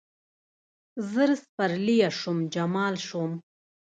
زر سپرلیه شوم، جمال شوم